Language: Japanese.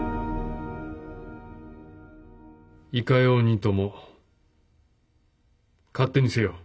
いかようにとも勝手にせよ。